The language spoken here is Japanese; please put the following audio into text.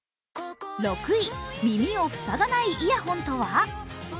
６位、耳を塞がないイヤホンとは？